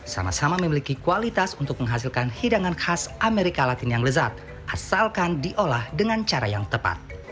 sama sama memiliki kualitas untuk menghasilkan hidangan khas amerika latin yang lezat asalkan diolah dengan cara yang tepat